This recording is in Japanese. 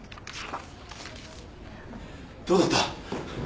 ・どうだった？